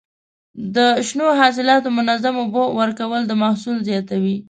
د شنو حاصلاتو منظم اوبه ورکول د محصول زیاتوي.